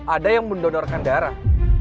ada yang mendonorkan darah